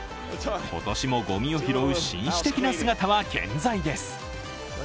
今年もごみを拾う紳士的な姿は健在です。